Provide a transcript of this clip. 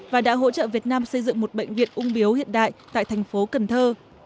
và đã hỗ trợ việt nam xây dựng một bệnh viện ung biếu hiện đại tại thành phố cần thơ